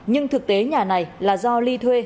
nhưng thực tế nhà này là do ly thuê